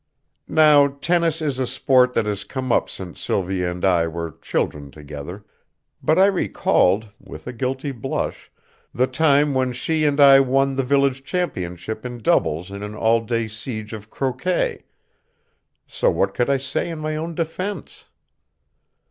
Now tennis is a sport that has come up since Sylvia and I were children together, but I recalled, with a guilty blush, the time when she and I won the village championship in doubles in an all day siege of croquet, so what could I say in my own defence?